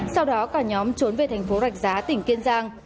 sau đó cả nhóm trốn về thành phố rạch giá tỉnh kiên giang